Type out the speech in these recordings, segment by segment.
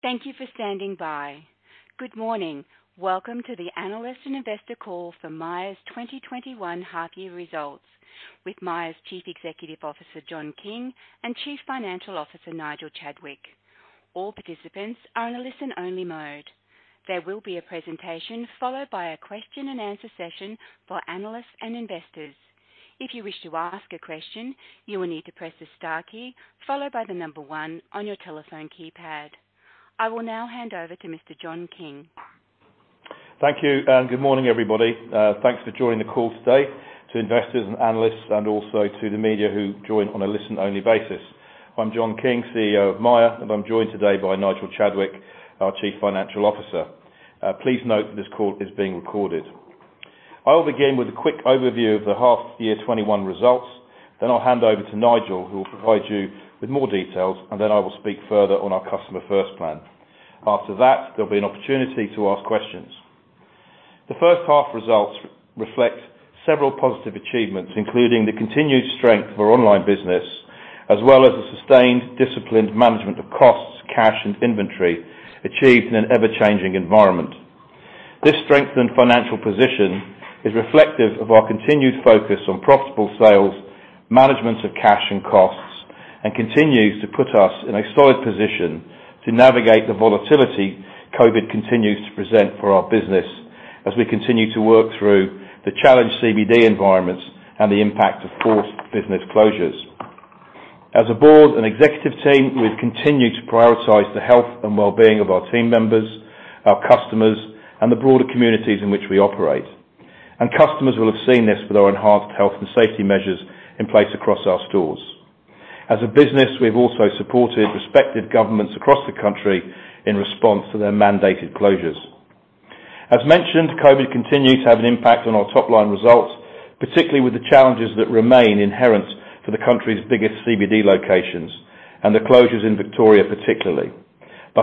Thank you for standing by. Good morning. Welcome to the analyst and investor call for MYER's 2021 half year results with MYER's Chief Executive Officer, John King, and Chief Financial Officer, Nigel Chadwick. All participants are on a listen-only mode. There will be a presentation followed by a question-and-answer session for analysts and investors. If you wish to ask a question, you will need to press the star key, followed by the number one on your telephone keypad. I will now hand over to Mr. John King. Thank you, good morning, everybody. Thanks for joining the call today, to investors and analysts, also to the media who joined on a listen-only basis. I'm John King, CEO of MYER, and I'm joined today by Nigel Chadwick, our Chief Financial Officer. Please note that this call is being recorded. I will begin with a quick overview of the half year 2021 results, then I'll hand over to Nigel, who will provide you with more details, then I will speak further on our Customer First Plan. After that, there'll be an opportunity to ask questions. The first half results reflect several positive achievements, including the continued strength of our online business, as well as the sustained disciplined management of costs, cash, and inventory achieved in an ever-changing environment. This strengthened financial position is reflective of our continued focus on profitable sales, management of cash and costs, and continues to put us in a solid position to navigate the volatility COVID continues to present for our business as we continue to work through the challenged CBD environments and the impact of forced business closures. As a board and executive team, we've continued to prioritize the health and wellbeing of our team members, our customers, and the broader communities in which we operate. Customers will have seen this with our enhanced health and safety measures in place across our stores. As a business, we've also supported respective governments across the country in response to their mandated closures. As mentioned, COVID continued to have an impact on our top-line results, particularly with the challenges that remain inherent for the country's biggest CBD locations and the closures in Victoria particularly.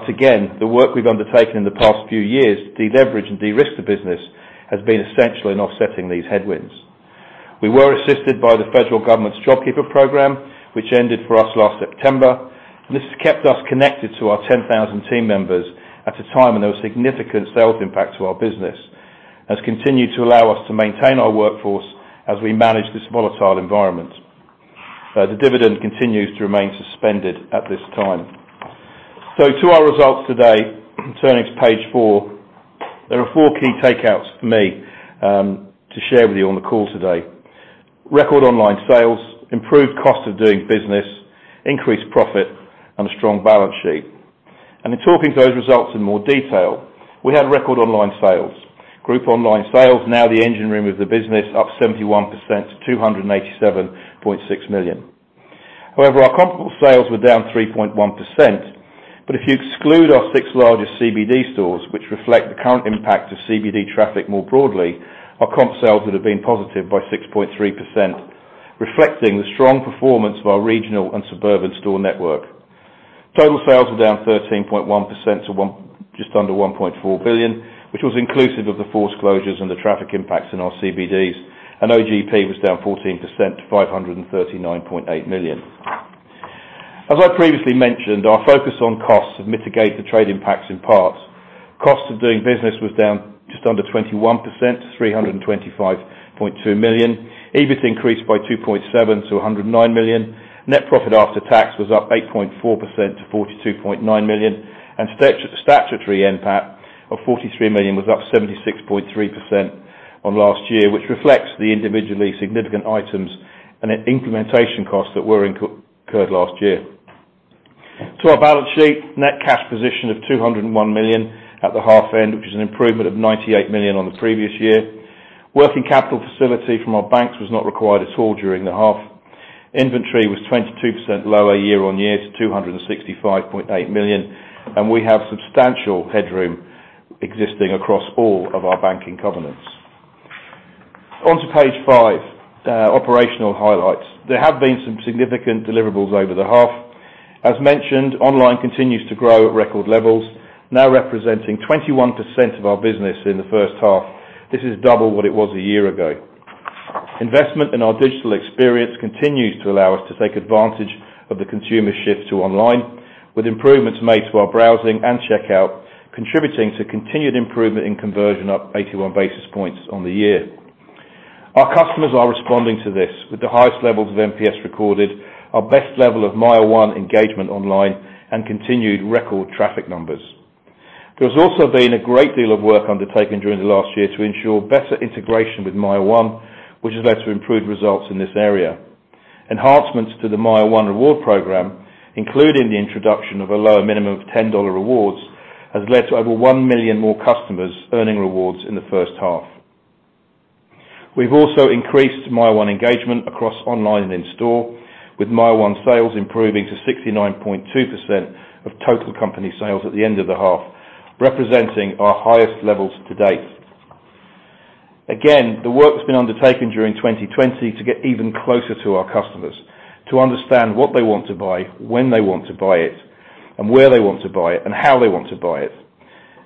Again, the work we've undertaken in the past few years to deleverage and de-risk the business has been essential in offsetting these headwinds. We were assisted by the federal government's JobKeeper program, which ended for us last September. This has kept us connected to our 10,000 team members at a time when there was significant sales impact to our business, has continued to allow us to maintain our workforce as we manage this volatile environment. The dividend continues to remain suspended at this time. To our results today, turning to page four, there are four key takeouts for me to share with you on the call today. Record online sales, improved cost of doing business, increased profit, and a strong balance sheet. In talking to those results in more detail, we had record online sales. Group online sales, now the engine room of the business, up 71% to 287.6 million. Our comparable sales were down 3.1%, but if you exclude our six largest CBD stores, which reflect the current impact of CBD traffic more broadly, our comp sales would have been positive by 6.3%, reflecting the strong performance of our regional and suburban store network. Total sales were down 13.1% to just under 1.4 billion, which was inclusive of the forced closures and the traffic impacts in our CBDs. OGP was down 14% to 539.8 million. As I previously mentioned, our focus on costs have mitigated the trade impacts in parts. Cost of Doing Business was down just under 21% to 325.2 million. EBIT increased by 2.7% to 109 million. Net profit after tax was up 8.4% to 42.9 million. Statutory NPAT of 43 million was up 76.3% on last year, which reflects the individually significant items and implementation costs that were incurred last year. To our balance sheet, net cash position of 201 million at the half end, which is an improvement of 98 million on the previous year. Working capital facility from our banks was not required at all during the half. Inventory was 22% lower year-on-year to 265.8 million, and we have substantial headroom existing across all of our banking covenants. On to page five, operational highlights. There have been some significant deliverables over the half. As mentioned, online continues to grow at record levels, now representing 21% of our business in the first half. This is double what it was a year ago. Investment in our digital experience continues to allow us to take advantage of the consumer shift to online, with improvements made to our browsing and checkout contributing to continued improvement in conversion up 81 basis points on the year. Our customers are responding to this with the highest levels of NPS recorded, our best level of MYER one engagement online, and continued record traffic numbers. There's also been a great deal of work undertaken during the last year to ensure better integration with MYER one, which has led to improved results in this area. Enhancements to the MYER one reward program, including the introduction of a lower minimum of 10 dollar rewards, has led to over one million more customers earning rewards in the first half. We've also increased MYER one engagement across online and in store, with MYER one sales improving to 69.2% of total company sales at the end of the half, representing our highest levels to date. Again, the work that's been undertaken during 2020 to get even closer to our customers to understand what they want to buy, when they want to buy it, and where they want to buy it, and how they want to buy it.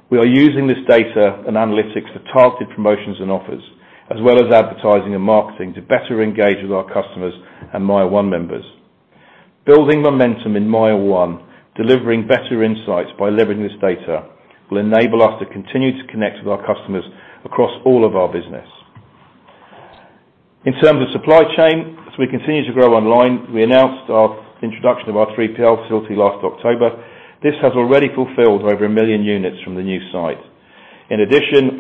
We are using this data and analytics for targeted promotions and offers, as well as advertising and marketing to better engage with our customers and MYER one members. Building momentum in MYER one, delivering better insights by leveraging this data, will enable us to continue to connect with our customers across all of our business. In terms of supply chain, as we continue to grow online, we announced our introduction of our 3PL facility last October. This has already fulfilled over 1 million units from the new site. We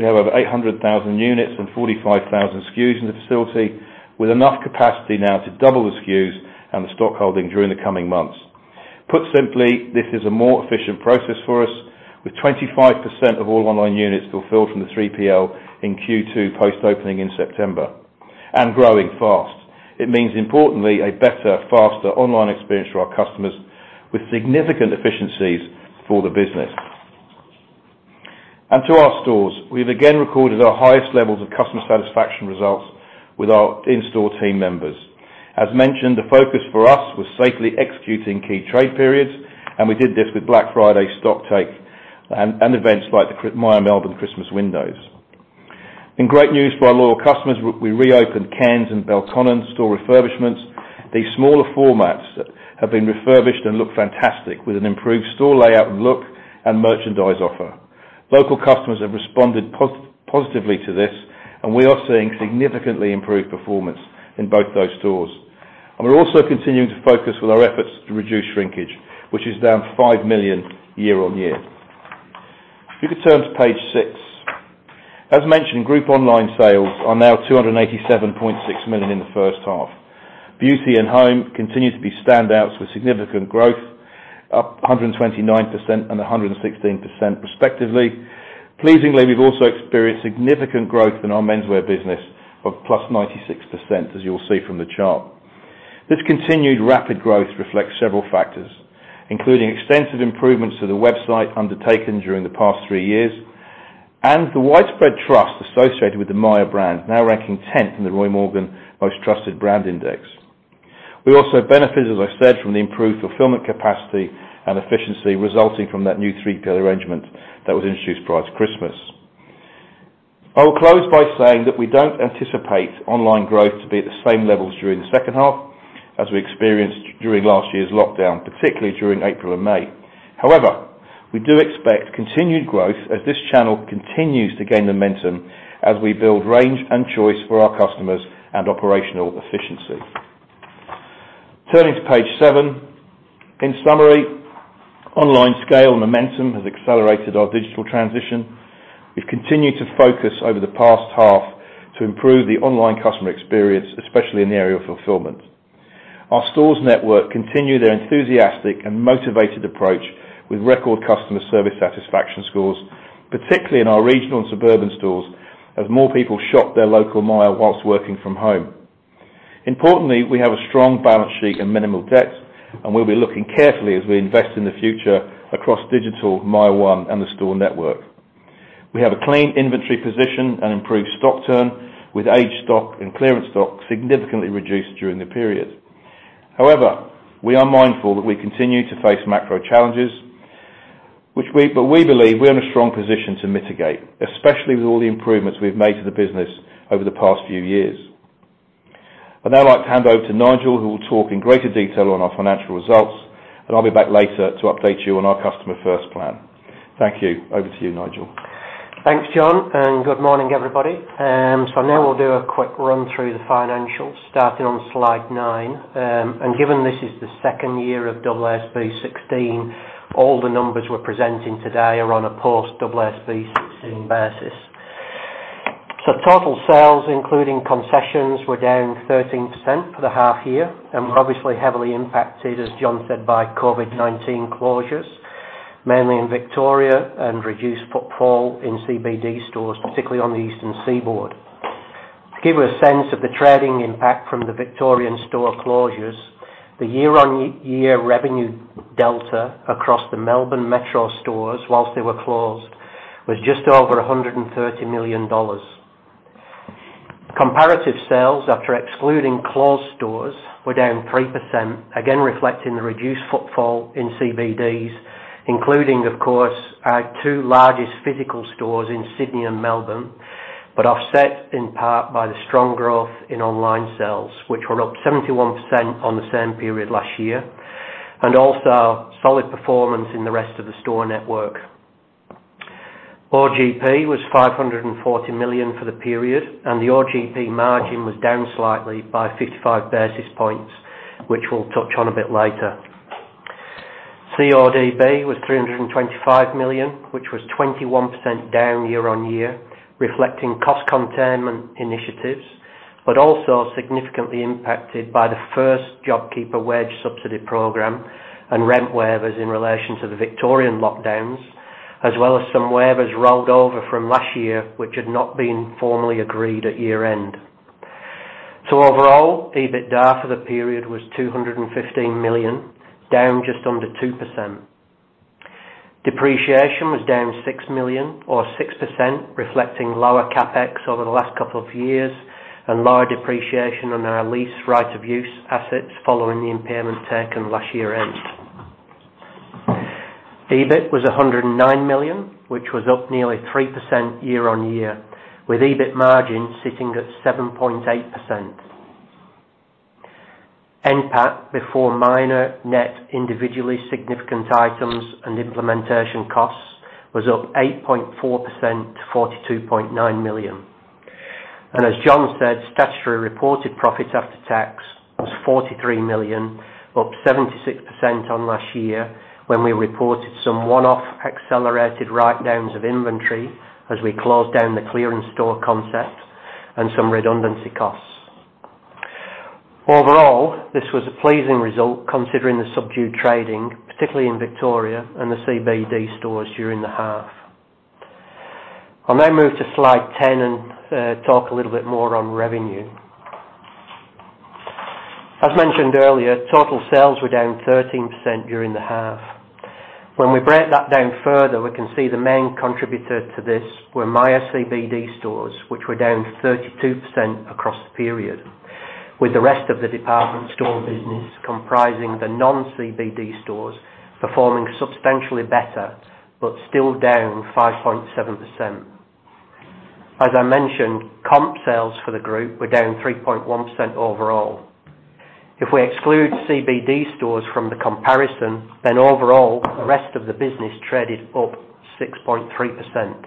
have over 800,000 units and 45,000 SKUs in the facility, with enough capacity now to double the SKUs and the stock holding during the coming months. Put simply, this is a more efficient process for us, with 25% of all online units fulfilled from the 3PL in Q2 post-opening in September, and growing fast. It means, importantly, a better, faster online experience for our customers, with significant efficiencies for the business. To our stores, we've again recorded our highest levels of customer satisfaction results with our in-store team members. As mentioned, the focus for us was safely executing key trade periods, and we did this with Black Friday stocktake and events like the MYER Melbourne Christmas Windows. In great news for our loyal customers, we reopened Cairns and Belconnen store refurbishments. These smaller formats that have been refurbished and look fantastic, with an improved store layout look and merchandise offer. Local customers have responded positively to this, and we are seeing significantly improved performance in both those stores. We're also continuing to focus with our efforts to reduce shrinkage, which is down 5 million year-on-year. If you could turn to page six. As mentioned, group online sales are now 287.6 million in the first half. Beauty and Home continue to be standouts with significant growth, up 129% and 116% respectively. Pleasingly, we've also experienced significant growth in our menswear business of +96%, as you'll see from the chart. This continued rapid growth reflects several factors, including extensive improvements to the website undertaken during the past three years, and the widespread trust associated with the MYER brand, now ranking 10th in the Roy Morgan Most Trusted Brand Index. We also benefit, as I said, from the improved fulfillment capacity and efficiency resulting from that new 3PL arrangement that was introduced prior to Christmas. I will close by saying that we don't anticipate online growth to be at the same levels during the second half as we experienced during last year's lockdown, particularly during April and May. However, we do expect continued growth as this channel continues to gain momentum as we build range and choice for our customers and operational efficiency. Turning to page seven. In summary, online scale and momentum has accelerated our digital transition. We've continued to focus over the past half to improve the online customer experience, especially in the area of fulfillment. Our stores network continue their enthusiastic and motivated approach with record customer service satisfaction scores, particularly in our regional and suburban stores, as more people shop their local MYER whilst working from home. Importantly, we have a strong balance sheet and minimal debt, we'll be looking carefully as we invest in the future across digital, MYER one, and the store network. We have a clean inventory position and improved stock turn, with aged stock and clearance stock significantly reduced during the period. We are mindful that we continue to face macro challenges, we believe we're in a strong position to mitigate, especially with all the improvements we've made to the business over the past few years. I'd now like to hand over to Nigel, who will talk in greater detail on our financial results, and I'll be back later to update you on our Customer First Plan. Thank you. Over to you, Nigel. Thanks, John. Good morning, everybody. Now we'll do a quick run through the financials, starting on slide nine. Given this is the second year of AASB 16, all the numbers we're presenting today are on a post-AASB 16 basis. Total sales, including concessions, were down 13% for the half year and were obviously heavily impacted, as John said, by COVID-19 closures, mainly in Victoria and reduced footfall in CBD stores, particularly on the eastern seaboard. To give you a sense of the trading impact from the Victorian store closures, the year-on-year revenue delta across the Melbourne metro stores whilst they were closed was just over 130 million dollars. Comparative sales after excluding closed stores were down 3%, again reflecting the reduced footfall in CBDs, including, of course, our two largest physical stores in Sydney and Melbourne, but offset in part by the strong growth in online sales, which were up 71% on the same period last year, and also solid performance in the rest of the store network. OGP was 540 million for the period, and the OGP margin was down slightly by 55 basis points, which we'll touch on a bit later. CODB was 325 million, which was 21% down year-on-year, reflecting cost containment initiatives, but also significantly impacted by the first JobKeeper wage subsidy program and rent waivers in relation to the Victorian lockdowns, as well as some waivers rolled over from last year, which had not been formally agreed at year end. Overall, EBITDA for the period was 215 million, down just under 2%. Depreciation was down 6 million or 6%, reflecting lower CapEx over the last couple of years. Lower depreciation on our lease right of use assets following the impairment taken last year end. EBIT was 109 million, which was up nearly 3% year-on-year, with EBIT margin sitting at 7.8%. NPAT before minor net individually significant items and implementation costs was up 8.4% to 42.9 million. As John said, statutory reported profits after tax was 43 million, up 76% on last year, when we reported some one-off accelerated write downs of inventory as we closed down the clearance store concept and some redundancy costs. Overall, this was a pleasing result considering the subdued trading, particularly in Victoria and the CBD stores during the half. I'll now move to slide 10 and talk a little bit more on revenue. As mentioned earlier, total sales were down 13% during the half. When we break that down further, we can see the main contributor to this were MYER CBD stores, which were down 32% across the period, with the rest of the department store business comprising the non-CBD stores performing substantially better, but still down 5.7%. As I mentioned, comp sales for the group were down 3.1% overall. If we exclude CBD stores from the comparison, then overall, the rest of the business traded up 6.3%.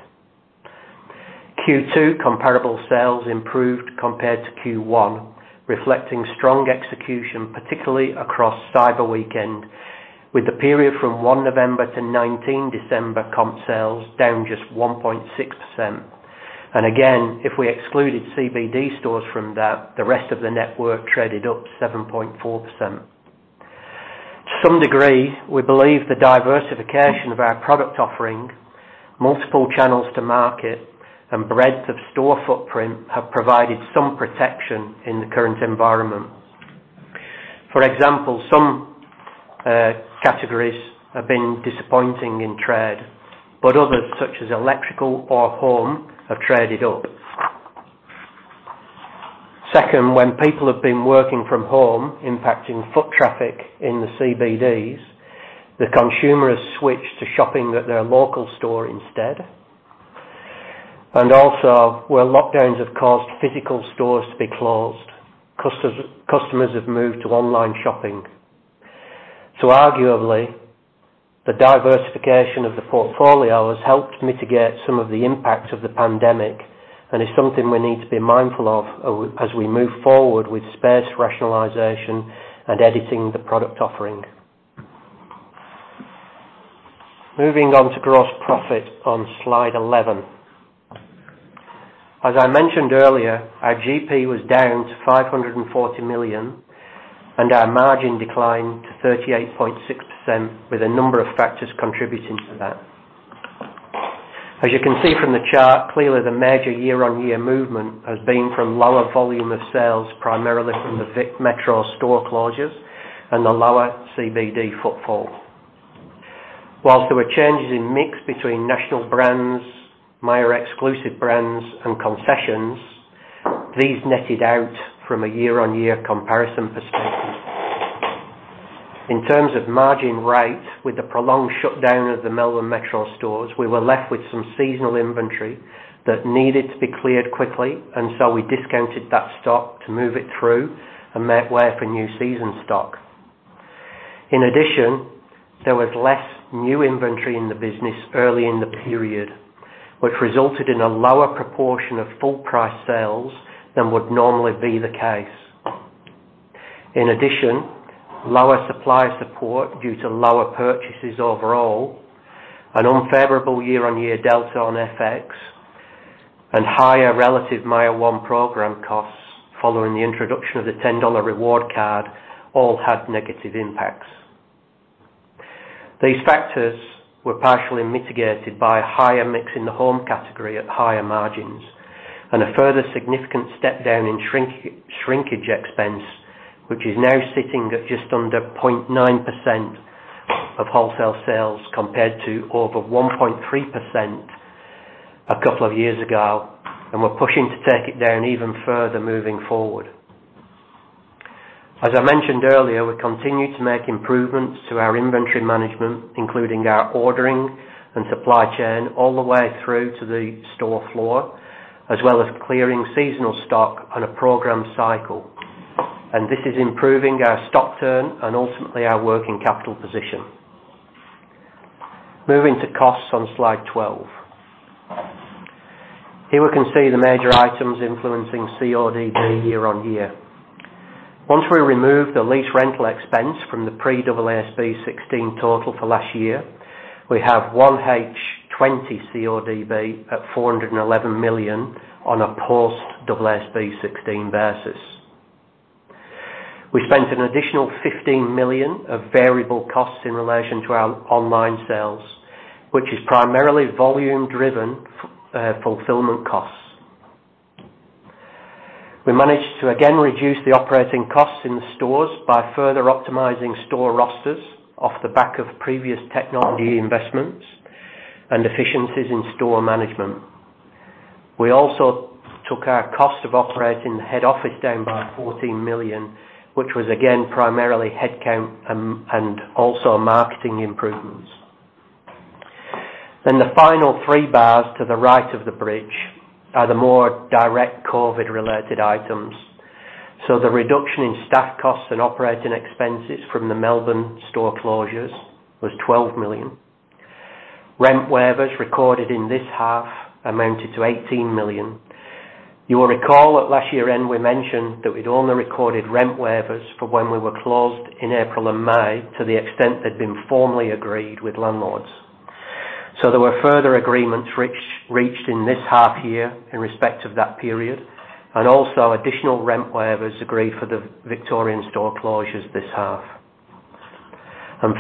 Q2 comparable sales improved compared to Q1, reflecting strong execution, particularly across Cyber Weekend, with the period from 1 November to 19 December comp sales down just 1.6%. Again, if we excluded CBD stores from that, the rest of the network traded up 7.4%. To some degree, we believe the diversification of our product offering, multiple channels to market, and breadth of store footprint have provided some protection in the current environment. For example, some categories have been disappointing in trade, but others, such as electrical or home, have traded up. Second, when people have been working from home, impacting foot traffic in the CBDs, the consumer has switched to shopping at their local store instead. Also, where lockdowns have caused physical stores to be closed, customers have moved to online shopping. Arguably, the diversification of the portfolio has helped mitigate some of the impacts of the pandemic and is something we need to be mindful of as we move forward with space rationalization and editing the product offering. Moving on to gross profit on slide 11. As I mentioned earlier, our GP was down to 540 million, and our margin declined to 38.6% with a number of factors contributing to that. As you can see from the chart, clearly the major year-on-year movement has been from lower volume of sales, primarily from the Vic Metro store closures and the lower CBD footfall. Whilst there were changes in mix between national brands, MYER exclusive brands and concessions, these netted out from a year-on-year comparison perspective. In terms of margin rate, with the prolonged shutdown of the Melbourne Metro stores, we were left with some seasonal inventory that needed to be cleared quickly, and so we discounted that stock to move it through and make way for new season stock. In addition, there was less new inventory in the business early in the period, which resulted in a lower proportion of full price sales than would normally be the case. In addition, lower supplier support due to lower purchases overall, an unfavorable year-on-year delta on FX, and higher relative MYER one program costs following the introduction of the 10 dollar reward card, all had negative impacts. These factors were partially mitigated by a higher mix in the home category at higher margins and a further significant step down in shrinkage expense, which is now sitting at just under 0.9% of wholesale sales compared to over 1.3% a couple of years ago. We're pushing to take it down even further moving forward. As I mentioned earlier, we continue to make improvements to our inventory management, including our ordering and supply chain all the way through to the store floor, as well as clearing seasonal stock on a program cycle. This is improving our stock turn and ultimately our working capital position. Moving to costs on slide 12. Here we can see the major items influencing CODB year-over-year. Once we remove the lease rental expense from the pre-AASB 16 total for last year, we have 1H 2020 CODB at 411 million on a post-AASB 16 basis. We spent an additional 15 million of variable costs in relation to our online sales, which is primarily volume driven, fulfillment costs. We managed to again reduce the operating costs in the stores by further optimizing store rosters off the back of previous technology investments and efficiencies in store management. We also took our cost of operating the head office down by 14 million, which was again, primarily headcount and also marketing improvements. The final three bars to the right of the bridge are the more direct COVID related items. The reduction in staff costs and operating expenses from the Melbourne store closures was 12 million. Rent waivers recorded in this half amounted to 18 million. You will recall at last year-end we mentioned that we'd only recorded rent waivers for when we were closed in April and May to the extent they'd been formally agreed with landlords. There were further agreements reached in this half-year in respect of that period, and also additional rent waivers agreed for the Victorian store closures this half.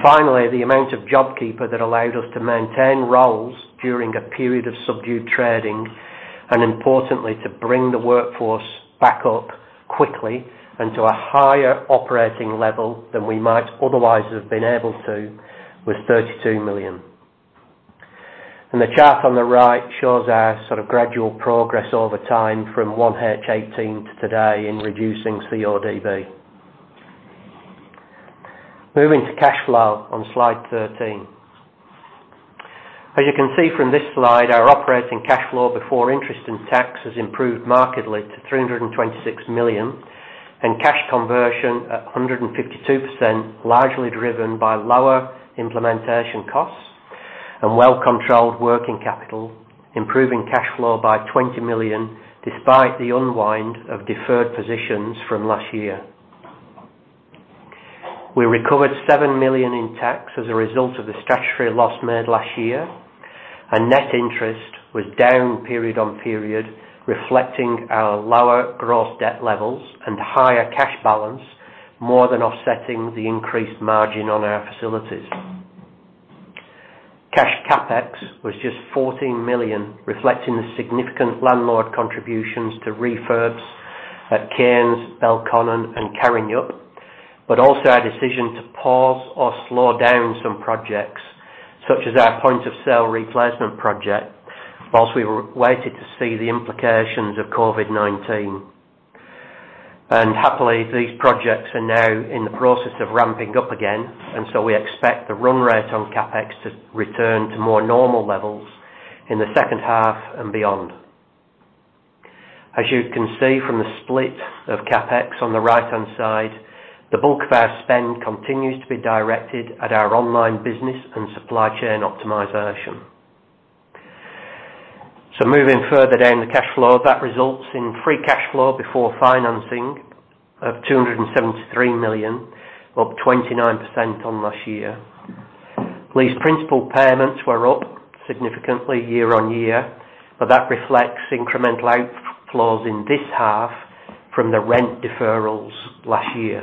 Finally, the amount of JobKeeper that allowed us to maintain roles during a period of subdued trading, and importantly, to bring the workforce back up quickly and to a higher operating level than we might otherwise have been able to, was 32 million. The chart on the right shows our sort of gradual progress over time from 1H 2018 to today in reducing CODB. Moving to cash flow on slide 13. As you can see from this slide, our operating cash flow before interest and tax has improved markedly to 326 million, and cash conversion at 152%, largely driven by lower implementation costs and well-controlled working capital, improving cash flow by 20 million, despite the unwind of deferred positions from last year. We recovered 7 million in tax as a result of the statutory loss made last year. Net interest was down period on period, reflecting our lower gross debt levels and higher cash balance, more than offsetting the increased margin on our facilities. Cash CapEx was just 14 million, reflecting the significant landlord contributions to refurbs at Cairns, Belconnen and Karrinyup, but also our decision to pause or slow down some projects, such as our point of sale replacement project, whilst we were waiting to see the implications of COVID-19. Happily, these projects are now in the process of ramping up again. We expect the run rate on CapEx to return to more normal levels in the second half and beyond. As you can see from the split of CapEx on the right-hand side, the bulk of our spend continues to be directed at our online business and supply chain optimization. Moving further down the cash flow, that results in free cash flow before financing of 273 million, up 29% on last year. Lease principal payments were up significantly year-on-year, but that reflects incremental outflows in this half from the rent deferrals last year.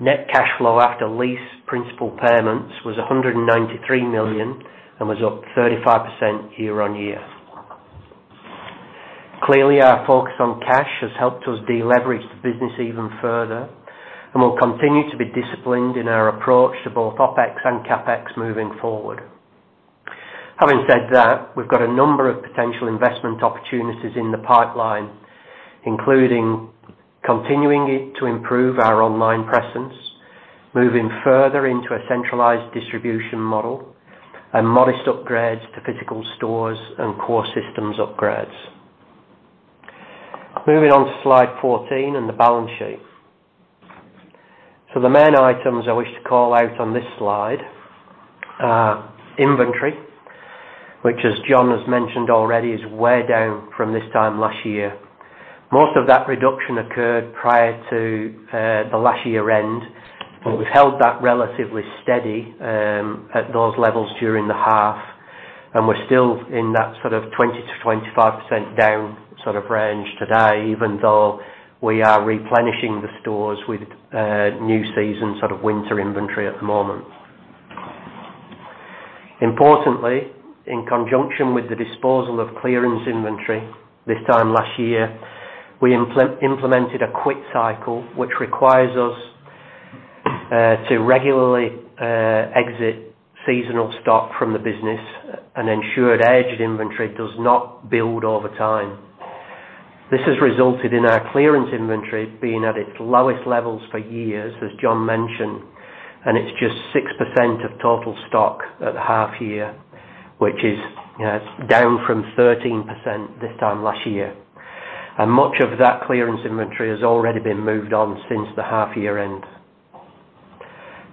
Net cash flow after lease principal payments was 193 million and was up 35% year-on-year. Clearly, our focus on cash has helped us deleverage the business even further and we'll continue to be disciplined in our approach to both OpEx and CapEx moving forward. Having said that, we've got a number of potential investment opportunities in the pipeline, including continuing to improve our online presence, moving further into a centralized distribution model, and modest upgrades to physical stores and core systems upgrades. Moving on to slide 14 and the balance sheet. The main items I wish to call out on this slide are inventory, which as John has mentioned already, is way down from this time last year. Most of that reduction occurred prior to the last year end, but we've held that relatively steady at those levels during the half, and we're still in that sort of 20%-25% down sort of range today, even though we are replenishing the stores with new season sort of winter inventory at the moment. Importantly, in conjunction with the disposal of clearance inventory this time last year, we implemented a quick cycle which requires us to regularly exit seasonal stock from the business and ensure aged inventory does not build over time. This has resulted in our clearance inventory being at its lowest levels for years, as John mentioned, and it's just 6% of total stock at half year, which is down from 13% this time last year. Much of that clearance inventory has already been moved on since the half year end.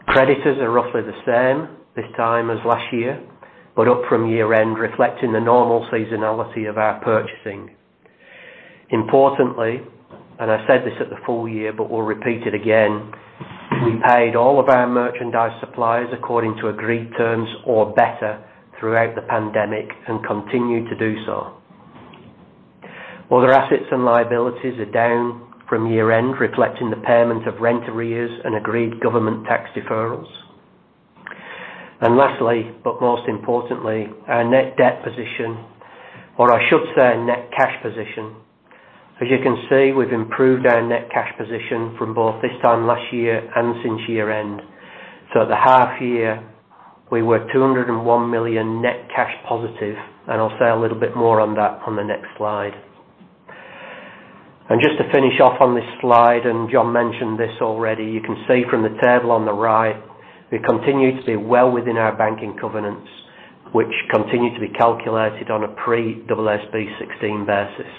Creditors are roughly the same this time as last year, but up from year end, reflecting the normal seasonality of our purchasing. Importantly, and I said this at the full year, but we'll repeat it again, we paid all of our merchandise suppliers according to agreed terms or better throughout the pandemic, and continue to do so. Other assets and liabilities are down from year end, reflecting the payment of rent arrears and agreed government tax deferrals. Lastly, but most importantly, our net debt position, or I should say our net cash position. As you can see, we've improved our net cash position from both this time last year and since year-end. At the half-year, we were 201 million net cash positive, and I'll say a little bit more on that on the next slide. Just to finish off on this slide, John mentioned this already, you can see from the table on the right, we continue to be well within our banking covenants, which continue to be calculated on a pre-AASB 16 basis.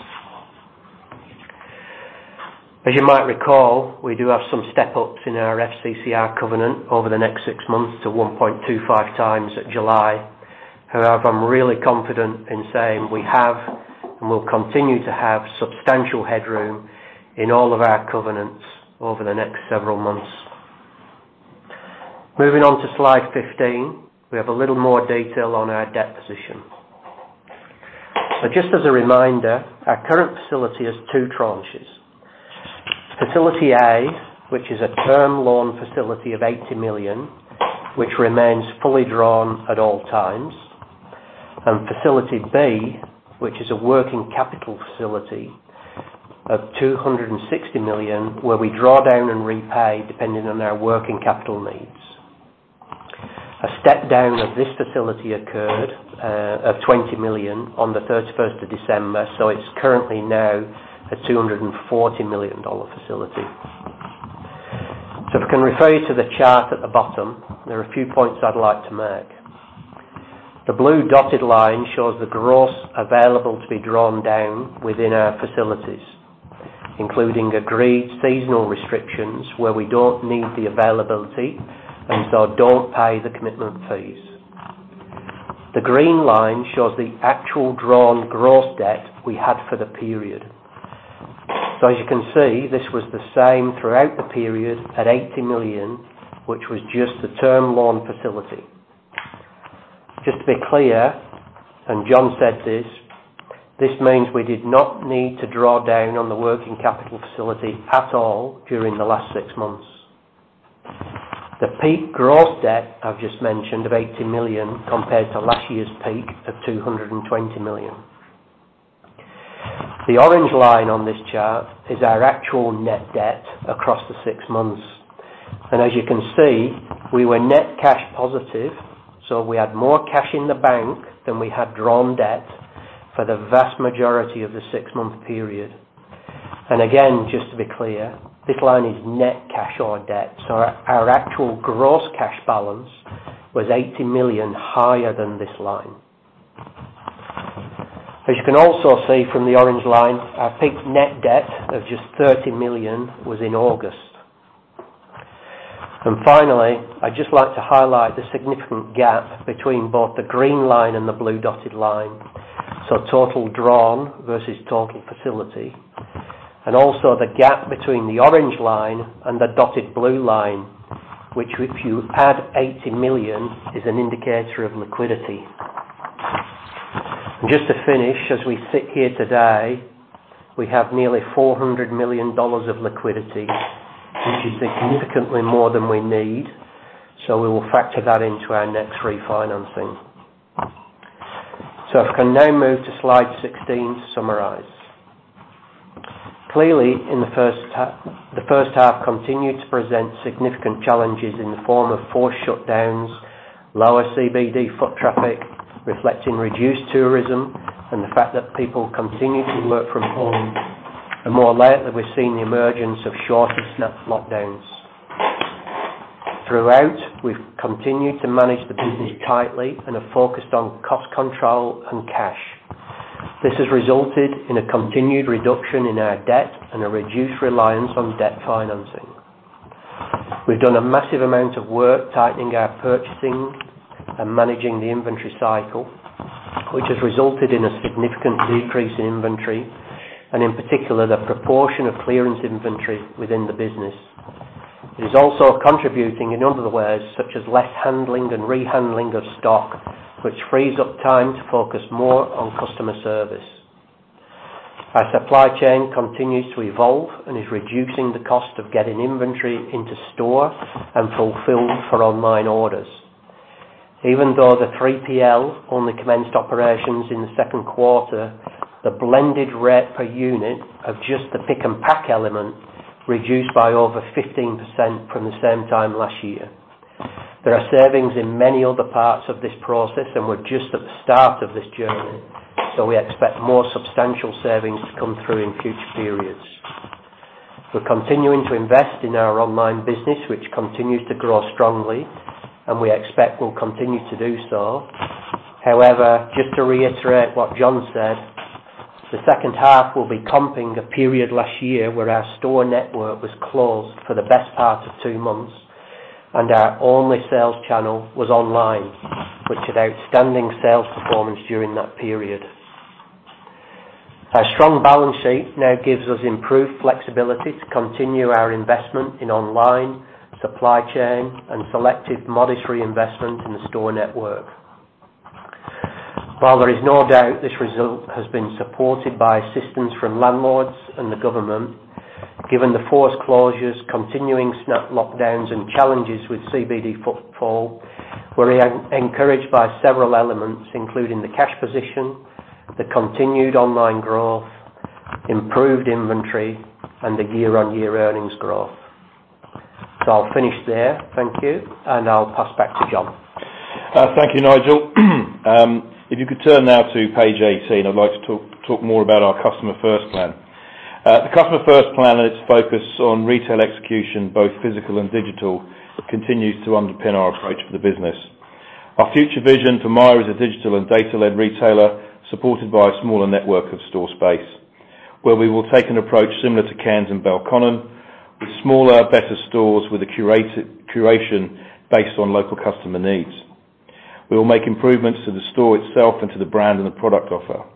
As you might recall, we do have some step-ups in our FCCR covenant over the next six months to 1.25 times at July. However, I'm really confident in saying we have, and will continue to have, substantial headroom in all of our covenants over the next several months. Moving on to slide 15, we have a little more detail on our debt position. Just as a reminder, our current facility has two tranches. Facility A, which is a term loan facility of 80 million, which remains fully drawn at all times. Facility B, which is a working capital facility of 260 million, where we draw down and repay depending on our working capital needs. A step-down of this facility occurred, of 20 million, on the 31st of December. It's currently now an 240 million dollar facility. If I can refer you to the chart at the bottom, there are a few points I'd like to make. The blue dotted line shows the gross available to be drawn down within our facilities, including agreed seasonal restrictions where we don't need the availability and so don't pay the commitment fees. The green line shows the actual drawn gross debt we had for the period. As you can see, this was the same throughout the period at 80 million, which was just the term loan facility. Just to be clear, and John said this means we did not need to draw down on the working capital facility at all during the last six months. The peak gross debt I've just mentioned of 80 million compared to last year's peak of 220 million. The orange line on this chart is our actual net debt across the six months. As you can see, we were net cash positive, so we had more cash in the bank than we had drawn debt for the vast majority of the six-month period. Again, just to be clear, this line is net cash or debt, so our actual gross cash balance was 80 million higher than this line. As you can also see from the orange line, our peak net debt of just 30 million was in August. Finally, I'd just like to highlight the significant gap between both the green line and the blue dotted line, so total drawn versus total facility. Also the gap between the orange line and the dotted blue line, which if you add 80 million, is an indicator of liquidity. Just to finish, as we sit here today, we have nearly 400 million dollars of liquidity, which is significantly more than we need. We will factor that into our next refinancing. If I can now move to slide 16 to summarize. Clearly, the first half continued to present significant challenges in the form of forced shutdowns, lower CBD foot traffic, reflecting reduced tourism, and the fact that people continued to work from home. More lately, we've seen the emergence of shorter snap lockdowns. Throughout, we've continued to manage the business tightly and are focused on cost control and cash. This has resulted in a continued reduction in our debt and a reduced reliance on debt financing. We've done a massive amount of work tightening our purchasing and managing the inventory cycle, which has resulted in a significant decrease in inventory, and in particular, the proportion of clearance inventory within the business. It is also contributing in other ways such as less handling and rehandling of stock, which frees up time to focus more on customer service. Our supply chain continues to evolve and is reducing the cost of getting inventory into store and fulfilled for online orders. Even though the 3PL only commenced operations in the second quarter, the blended rate per unit of just the pick and pack element reduced by over 15% from the same time last year. There are savings in many other parts of this process, and we're just at the start of this journey, so we expect more substantial savings to come through in future periods. We're continuing to invest in our online business, which continues to grow strongly, and we expect will continue to do so. However, just to reiterate what John said, the second half will be comping a period last year where our store network was closed for the best part of two months, and our only sales channel was online, which had outstanding sales performance during that period. Our strong balance sheet now gives us improved flexibility to continue our investment in online, supply chain, and selective modest reinvestment in the store network. There is no doubt this result has been supported by assistance from landlords and the government, given the forced closures, continuing lockdowns, and challenges with CBD footfall, we're encouraged by several elements, including the cash position, the continued online growth, improved inventory, and the year-on-year earnings growth. I'll finish there. Thank you, and I'll pass back to John. Thank you, Nigel. If you could turn now to page 18, I'd like to talk more about our. The Customer First Plan and its focus on retail execution, both physical and digital, continues to underpin our approach for the business. Our future vision for MYER is a digital and data-led retailer supported by a smaller network of store space, where we will take an approach similar to Cairns and Belconnen with smaller, better stores with a curation based on local customer needs. We will make improvements to the store itself and to the brand and the product offer.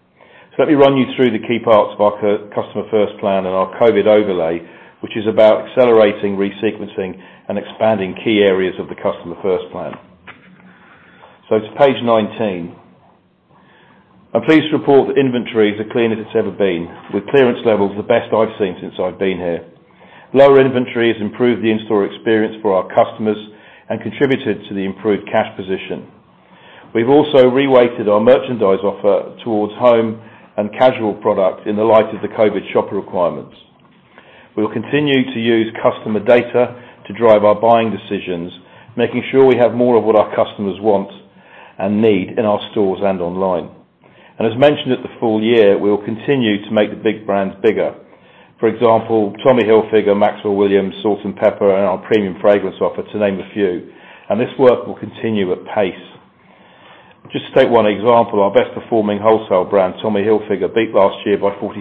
Let me run you through the key parts of our Customer First Plan and our COVID overlay, which is about accelerating, resequencing, and expanding key areas of the Customer First Plan. To page 19. I'm pleased to report that inventory is the cleanest it's ever been, with clearance levels the best I've seen since I've been here. Lower inventory has improved the in-store experience for our customers and contributed to the improved cash position. We've also reweighted our merchandise offer towards home and casual product in the light of the COVID shopper requirements. We will continue to use customer data to drive our buying decisions, making sure we have more of what our customers want and need in our stores and online. As mentioned at the full year, we will continue to make the big brands bigger. For example, Tommy Hilfiger, Maxwell & Williams, salt&pepper, and our premium fragrance offer, to name a few, and this work will continue at pace. Just to take one example, our best performing wholesale brand, Tommy Hilfiger, beat last year by 46%,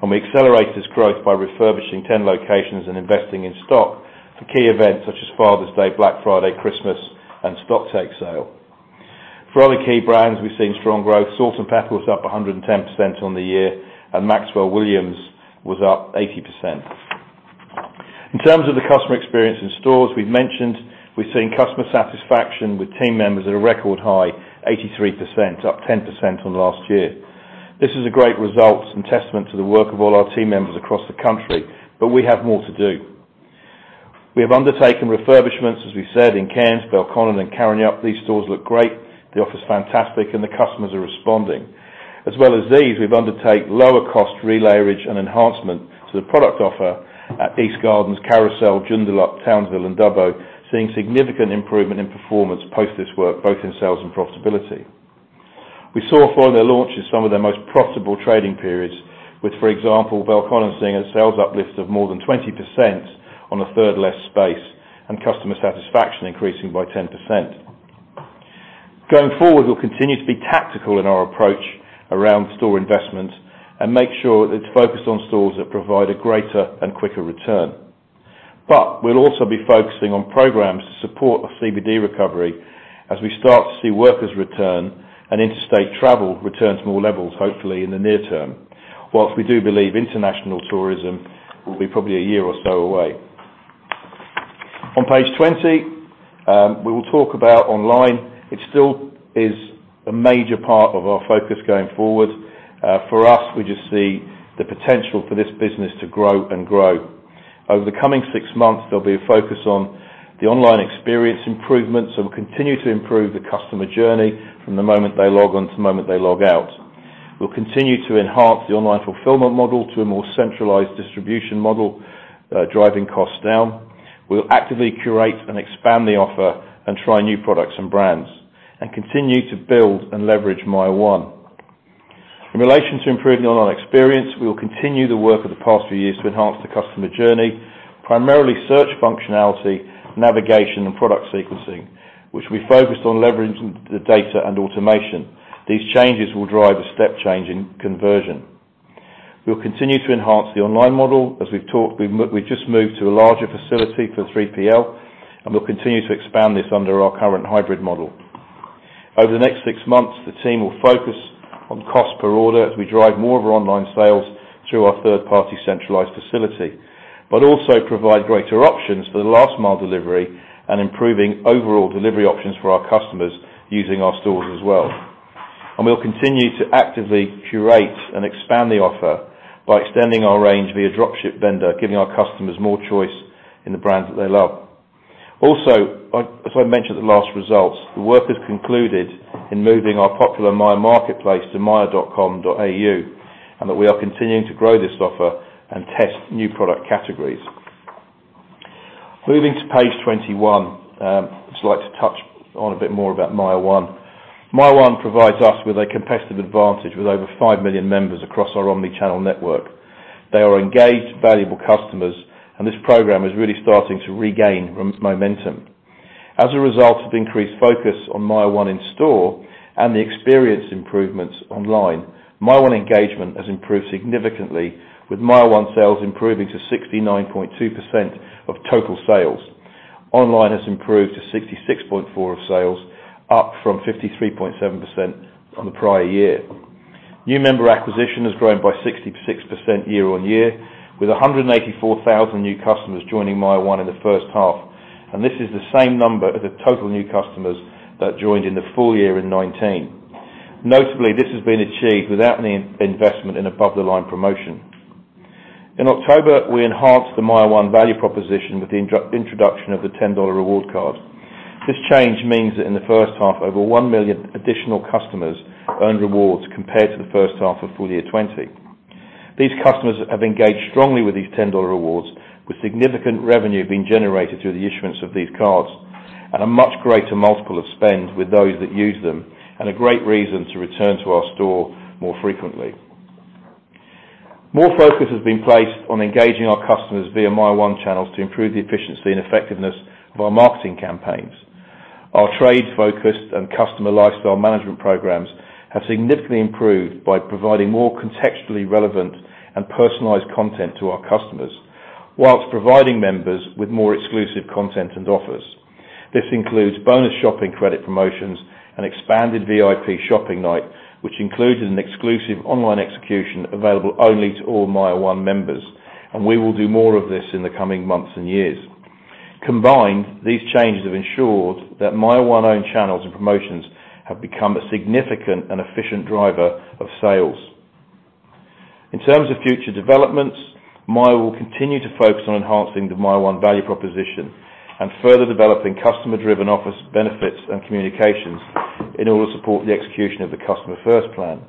and we accelerated this growth by refurbishing 10 locations and investing in stock for key events such as Father's Day, Black Friday, Christmas, and Stocktake Sale. salt&pepper was up 110% on the year, and Maxwell & Williams was up 80%. In terms of the customer experience in stores we've mentioned, we've seen customer satisfaction with team members at a record high 83%, up 10% on last year. This is a great result and testament to the work of all our team members across the country, but we have more to do. We have undertaken refurbishments, as we said, in Cairns, Belconnen, and Karrinyup. These stores look great. The offer's fantastic, and the customers are responding. As well as these, we've undertake lower cost relayage and enhancement to the product offer at EastGardens, Carousel, Joondalup, Townsville, and Dubbo, seeing significant improvement in performance post this work, both in sales and profitability. We saw, following their launches, some of their most profitable trading periods with, for example, Belconnen seeing a sales uplift of more than 20% on a third less space and customer satisfaction increasing by 10%. Going forward, we'll continue to be tactical in our approach around store investment and make sure it's focused on stores that provide a greater and quicker return. We'll also be focusing on programs to support the CBD recovery as we start to see workers return and interstate travel return to more levels, hopefully, in the near term. Whilst we do believe international tourism will be probably a year or so away. On page 20, we will talk about online. It still is a major part of our focus going forward. For us, we just see the potential for this business to grow and grow. Over the coming six months, there'll be a focus on the online experience improvements, and we'll continue to improve the customer journey from the moment they log on to the moment they log out. We'll continue to enhance the online fulfillment model to a more centralized distribution model, driving costs down. We'll actively curate and expand the offer and try new products and brands and continue to build and leverage MYER one. In relation to improving the online experience, we will continue the work of the past few years to enhance the customer journey, primarily search functionality, navigation, and product sequencing, which we focused on leveraging the data and automation. These changes will drive a step change in conversion. We'll continue to enhance the online model. As we've talked, we just moved to a larger facility for 3PL, and we'll continue to expand this under our current hybrid model. Over the next six months, the team will focus on cost per order as we drive more of our online sales through our third-party centralized facility, but also provide greater options for the last mile delivery and improving overall delivery options for our customers using our stores as well. We'll continue to actively curate and expand the offer by extending our range via drop ship vendor, giving our customers more choice in the brands that they love. As I mentioned in the last results, the work has concluded in moving our popular MYER Marketplace to myer.com.au, and that we are continuing to grow this offer and test new product categories. Moving to page 21, I'd just like to touch on a bit more about MYER one. MYER one provides us with a competitive advantage with over 5 million members across our omni-channel network. They are engaged, valuable customers, and this program is really starting to regain momentum. As a result of increased focus on MYER one in store and the experience improvements online, MYER one engagement has improved significantly, with MYER one sales improving to 69.2% of total sales. Online has improved to 66.4% of sales, up from 53.7% from the prior year. New member acquisition has grown by 66% year-on-year, with 184,000 new customers joining MYER one in the first half, and this is the same number of the total new customers that joined in the full year in 2019. Notably, this has been achieved without any investment in above-the-line promotion. In October, we enhanced the MYER one value proposition with the introduction of the 10 dollar reward card. This change means that in the first half, over 1 million additional customers earned rewards compared to the first half of full year 2020. These customers have engaged strongly with these 10 dollar rewards, with significant revenue being generated through the issuance of these cards and a much greater multiple of spend with those that use them, and a great reason to return to our store more frequently. More focus has been placed on engaging our customers via MYER one channels to improve the efficiency and effectiveness of our marketing campaigns. Our trade-focused and customer lifestyle management programs have significantly improved by providing more contextually relevant and personalized content to our customers, while providing members with more exclusive content and offers. This includes bonus shopping credit promotions and expanded VIP shopping night, which included an exclusive online execution available only to all MYER one members, and we will do more of this in the coming months and years. Combined, these changes have ensured that MYER one owned channels and promotions have become a significant and efficient driver of sales. In terms of future developments, MYER will continue to focus on enhancing the MYER one value proposition and further developing customer-driven offers, benefits, and communications in order to support the execution of the Customer First Plan.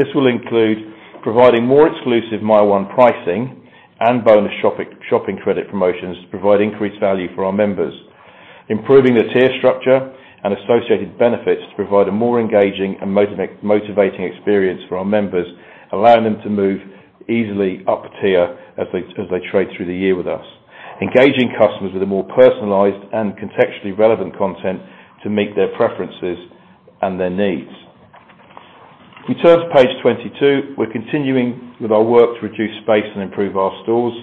This will include providing more exclusive MYER one pricing and bonus shopping credit promotions to provide increased value for our members, improving the tier structure and associated benefits to provide a more engaging and motivating experience for our members, allowing them to move easily up a tier as they trade through the year with us. Engaging customers with a more personalized and contextually relevant content to meet their preferences and their needs. We turn to page 22. We are continuing with our work to reduce space and improve our stores.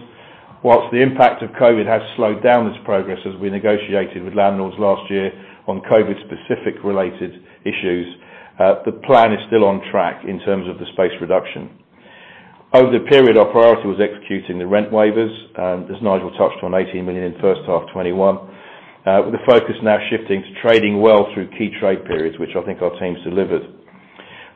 Whilst the impact of COVID has slowed down this progress as we negotiated with landlords last year on COVID-specific related issues, the plan is still on track in terms of the space reduction. Over the period, our priority was executing the rent waivers, as Nigel touched on, 18 million in the first half 2021, with the focus now shifting to trading well through key trade periods, which I think our teams delivered.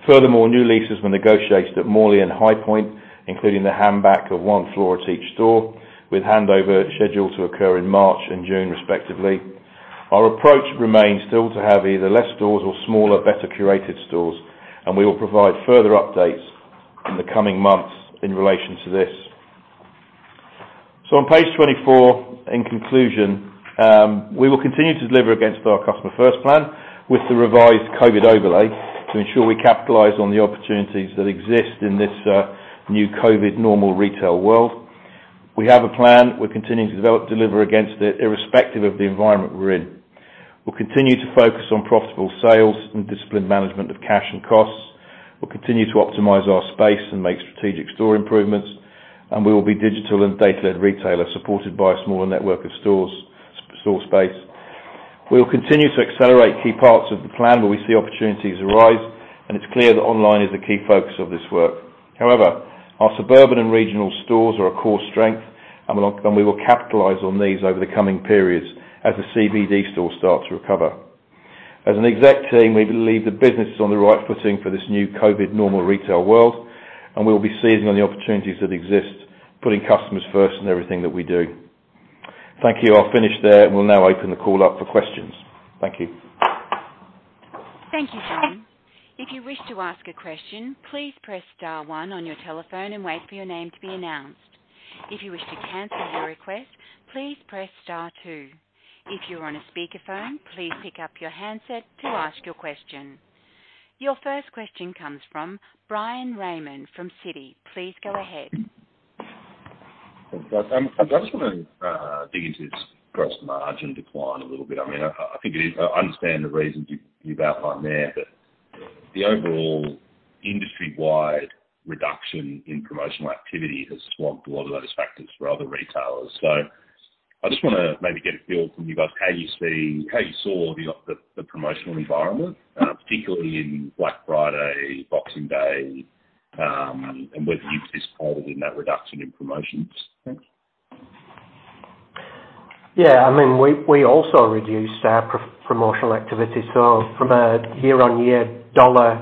Furthermore, new leases were negotiated at Morley and Highpoint, including the hand-back of one floor at each store, with handover scheduled to occur in March and June, respectively. Our approach remains still to have either less stores or smaller, better curated stores, and we will provide further updates in the coming months in relation to this. On page 24, in conclusion, we will continue to deliver against our Customer First Plan with the revised COVID overlay to ensure we capitalize on the opportunities that exist in this new COVID normal retail world. We have a plan. We're continuing to deliver against it, irrespective of the environment we're in. We'll continue to focus on profitable sales and disciplined management of cash and costs. We'll continue to optimize our space and make strategic store improvements. We will be a digital and data-led retailer supported by a smaller network of store space. We will continue to accelerate key parts of the plan where we see opportunities arise. It's clear that online is the key focus of this work. However, our suburban and regional stores are a core strength. We will capitalize on these over the coming periods as the CBD stores start to recover. As an exec team, we believe the business is on the right footing for this new COVID normal retail world. We will be seizing on the opportunities that exist, putting customers first in everything that we do. Thank you. I'll finish there, and we'll now open the call up for questions. Thank you. Thank you, John. If you wish to ask a question, please press star one on your telephone and wait for your name to be announced. If you wish to cancel your request, please press star two. If you're on a speakerphone, please pick up your handset to ask your question. Your first question comes from Bryan Raymond from Citi. Please go ahead. I just want to dig into this gross margin decline a little bit. I understand the reasons you've outlined there, but the overall industry-wide reduction in promotional activity has swamped a lot of those factors for other retailers. I just want to maybe get a feel from you both, how you saw the promotional environment, particularly in Black Friday, Boxing Day, and whether you've participated in that reduction in promotions. Thanks. Yeah. We also reduced our promotional activity. From a year-on-year dollar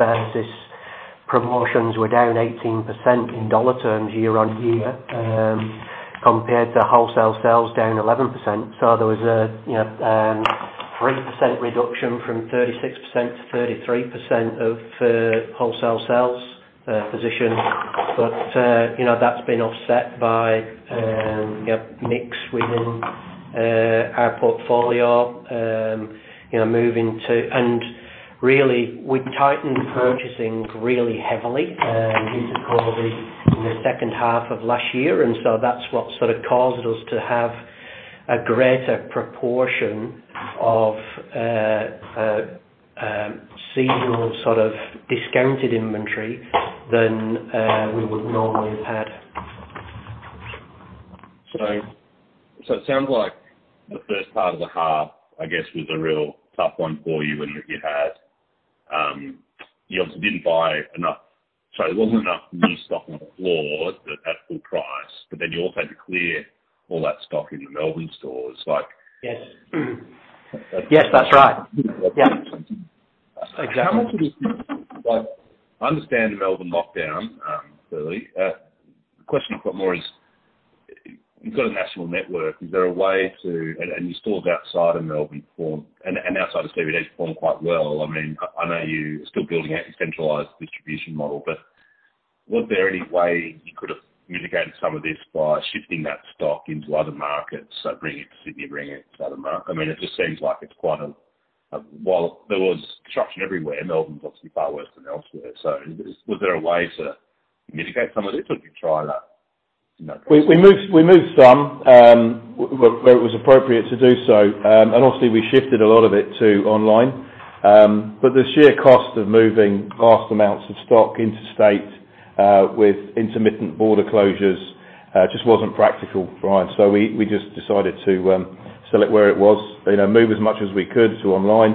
basis, promotions were down 18% in dollar terms year-on-year compared to wholesale sales down 11%. There was a 3% reduction from 36%-33% of wholesale sales position. That's been offset by mix within our portfolio, and really, we tightened purchasing really heavily into probably in the second half of last year, that's what sort of caused us to have a greater proportion of seasonal sort of discounted inventory than we would normally have had. It sounds like the first part of the half, I guess, was a real tough one for you when you obviously didn't buy enough. There wasn't enough new stock on the floor at full price. You also had to clear all that stock in the Melbourne stores. Yes. Yes, that's right. Yeah. Exactly. I understand the Melbourne lockdown, clearly. The question I've got more is, you've got a national network, and your stores outside of Melbourne perform, and outside of CBD, perform quite well. I know you are still building out your centralized distribution model, but was there any way you could have mitigated some of this by shifting that stock into other markets, so bringing it to Sydney, bringing it to other markets? It just seems like while there was disruption everywhere, Melbourne was obviously far worse than elsewhere. Was there a way to mitigate some of this or did you try that? We moved some, where it was appropriate to do so. Obviously, we shifted a lot of it to online. The sheer cost of moving vast amounts of stock interstate, with intermittent border closures, just wasn't practical, Bryan. We just decided to sell it where it was, move as much as we could to online,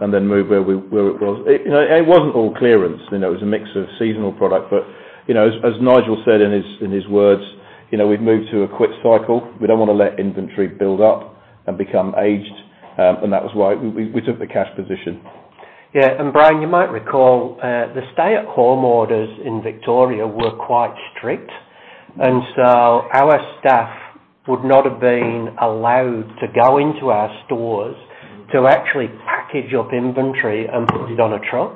and then move where it was. It wasn't all clearance, it was a mix of seasonal product. As Nigel said in his words, we've moved to a quick cycle. We don't want to let inventory build up and become aged. That was why we took the cash position. Yeah. Bryan, you might recall, the stay-at-home orders in Victoria were quite strict, our staff would not have been allowed to go into our stores to actually package up inventory and put it on a truck.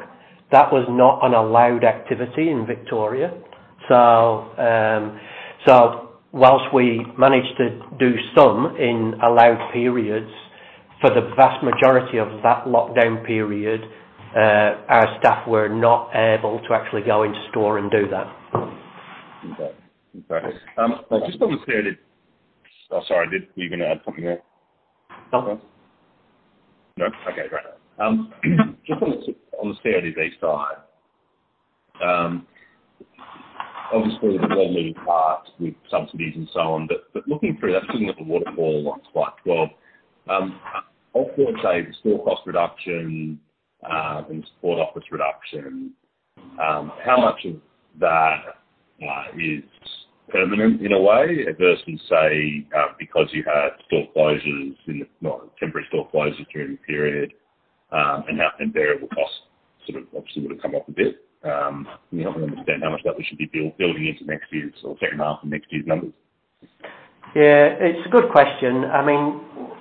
That was not an allowed activity in Victoria. Whilst we managed to do some in allowed periods, for the vast majority of that lockdown period, our staff were not able to actually go into store and do that. Okay. Oh, sorry, were you going to add something there? No. No? Okay, great. On the CBD side, obviously with the government part, with subsidies and so on, looking through that, looking at the waterfall on slide 12, of course, say the store cost reduction, and support office reduction, how much of that is permanent in a way, versus, say, because you had temporary store closures during the period, and variable costs obviously would've come off a bit. I'm trying to understand how much that we should be building into next year's or second half of next year's numbers. It's a good question.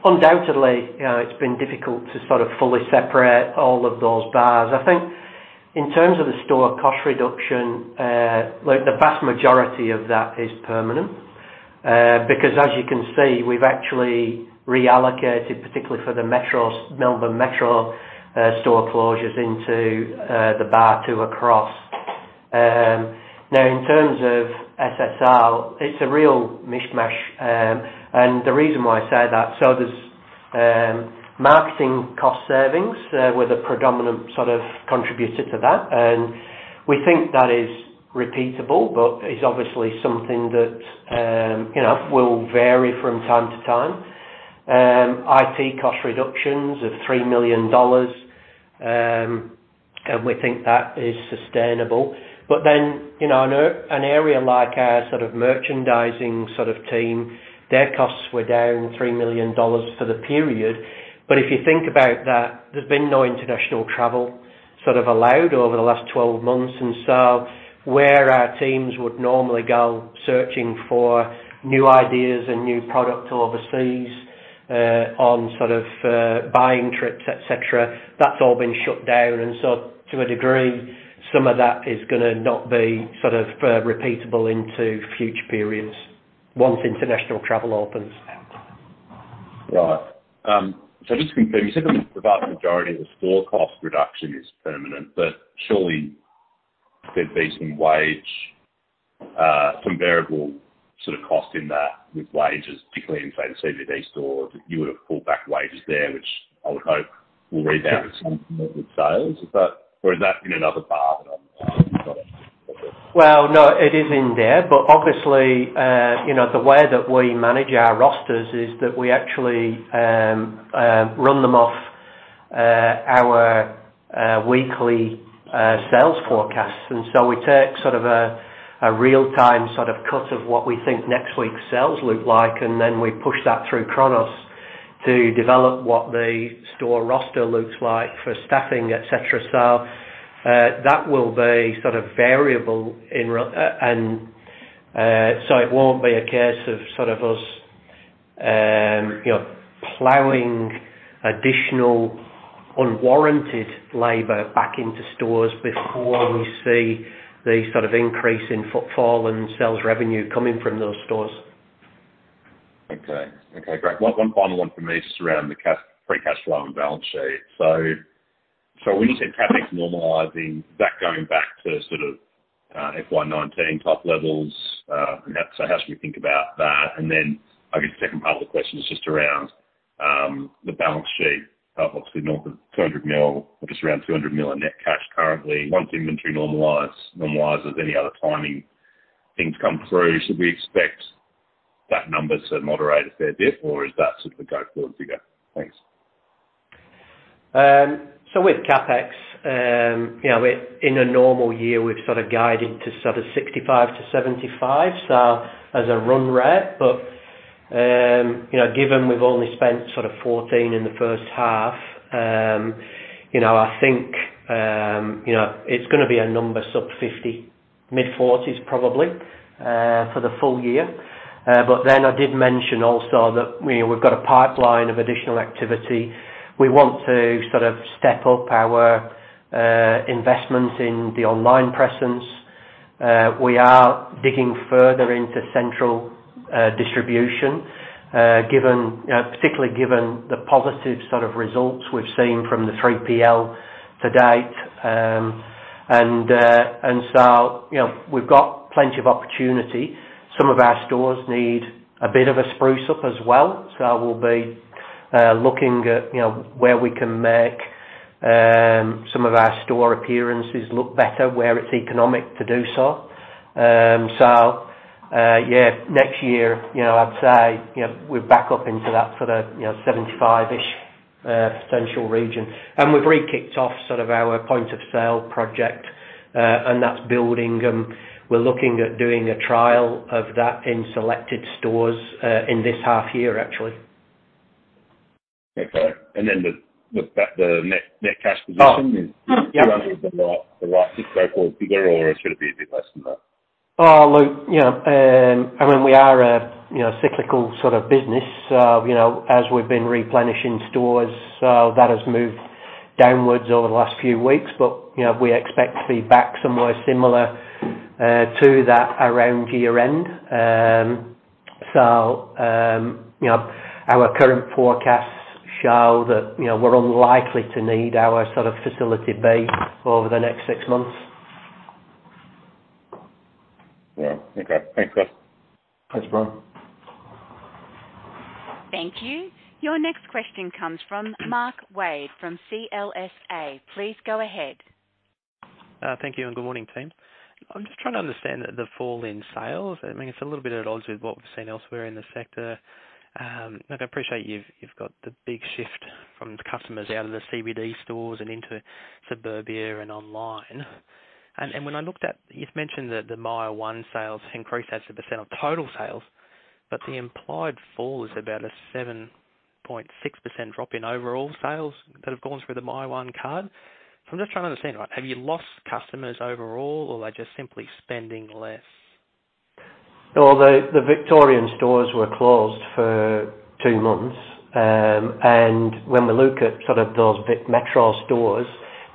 Undoubtedly, it's been difficult to sort of fully separate all of those bars. I think in terms of the store cost reduction, the vast majority of that is permanent. Because as you can see, we've actually reallocated, particularly for the Melbourne Metro store closures into the bar two across. The reason why I say that, there's marketing cost savings were the predominant contributor to that. We think that is repeatable but is obviously something that will vary from time to time. IT cost reductions of 3 million dollars, we think that is sustainable. An area like our merchandising team, their costs were down 3 million dollars for the period. If you think about that, there's been no international travel allowed over the last 12 months. Where our teams would normally go searching for new ideas and new product overseas, on buying trips, et cetera, that's all been shut down. To a degree, some of that is going to not be repeatable into future periods once international travel opens. Right. Just to confirm, you said that the vast majority of the store cost reduction is permanent, but surely there'd be some wage, some variable sort of cost in that with wages, particularly in, say, the CBD stores. You would have pulled back wages there, which I would hope will rebound with sales. Has that been another bar that I'm missing? No, it is in there. Obviously, the way that we manage our rosters is that we actually run them off our weekly sales forecasts. We take a real time cut of what we think next week's sales look like, and then we push that through Kronos to develop what the store roster looks like for staffing, et cetera. That will be variable so it won't be a case of us plowing additional unwarranted labor back into stores before we see the increase in footfall and sales revenue coming from those stores. Okay. Great. One final one from me, just around the free cash flow and balance sheet. When you said CapEx normalizing, that going back to FY 2019 type levels. How should we think about that? I guess the second part of the question is just around the balance sheet. Obviously, 200 million or just around 200 million in net cash currently. Once inventory normalizes, any other timing things come through, should we expect That number to moderate a fair bit, or is that sort of the go-forward figure? Thanks. With CapEx, in a normal year, we've sort of guided to sort of 65 million-75 million, as a run rate. Given we've only spent sort of 14 million in the first half, I think it's going to be a number sort of 50 million, mid-AUD 40 million probably, for the full year. I did mention also that we've got a pipeline of additional activity. We want to sort of step up our investments in the online presence. We are digging further into central distribution, particularly given the positive sort of results we've seen from the 3PL to date. We've got plenty of opportunity. Some of our stores need a bit of a spruce up as well. We'll be looking at where we can make some of our store appearances look better, where it's economic to do so. Yeah, next year, I'd say we're back up into that sort of 75 million-ish potential region. We've re-kicked off sort of our point-of-sale project, that's building. We're looking at doing a trial of that in selected stores in this half year, actually. Okay. Then the net cash position. Oh. Yeah is around the right figure, or it's going to be a bit less than that? I mean, we are a cyclical sort of business. As we've been replenishing stores, that has moved downwards over the last few weeks. We expect to be back somewhere similar to that around year-end. Our current forecasts show that we're unlikely to need our sort of facility base over the next six months. Yeah. Okay. Thanks for that. Thanks, Bryan. Thank you. Your next question comes from Mark Wade from CLSA. Please go ahead. Thank you. Good morning, team. I'm just trying to understand the fall in sales. I mean, it's a little bit at odds with what we've seen elsewhere in the sector. Look, I appreciate you've got the big shift from the customers out of the CBD stores and into suburbia and online. You've mentioned that the MYER one sales increased as a percentage of total sales, but the implied fall is about a 7.6% drop in overall sales that have gone through the MYER one card. I'm just trying to understand, have you lost customers overall, or are they just simply spending less? Well, the Victorian stores were closed for two months. When we look at sort of those metro stores,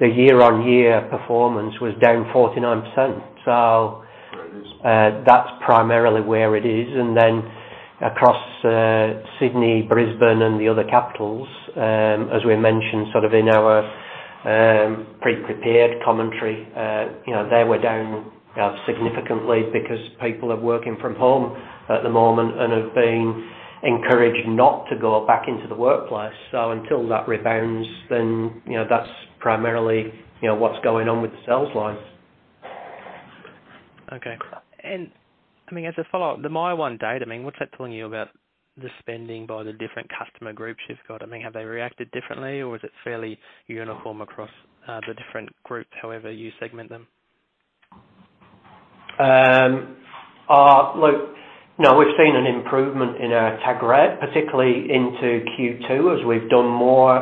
the year-on-year performance was down 49%. That's primarily where it is. Across Sydney, Brisbane, and the other capitals, as we mentioned sort of in our pre-prepared commentary, they were down significantly because people are working from home at the moment and have been encouraged not to go back into the workplace. Until that rebounds, that's primarily what's going on with the sales lines. Okay. I mean, as a follow-up, the MYER one data, I mean, what's that telling you about the spending by the different customer groups you've got? I mean, have they reacted differently or is it fairly uniform across the different groups, however you segment them? Look, no, we've seen an improvement in our tag rate, particularly into Q2, as we've done more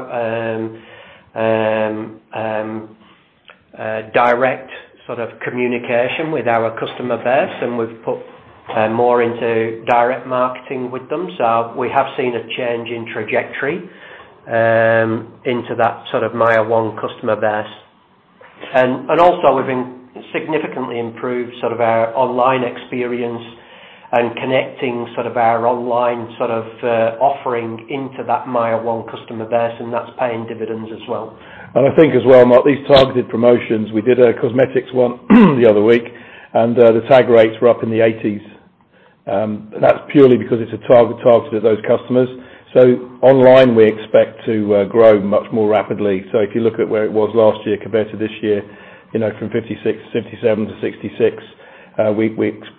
direct sort of communication with our customer base and we've put more into direct marketing with them. We have seen a change in trajectory into that sort of MYER one customer base. Also, we've significantly improved sort of our online experience and connecting sort of our online sort of offering into that MYER one customer base, and that's paying dividends as well. I think as well, Mark, these targeted promotions, we did a cosmetics one the other week, and the tag rates were up in the 80s. That's purely because it is targeted at those customers. Online, we expect to grow much more rapidly. If you look at where it was last year compared to this year, from 56.7 to 66, we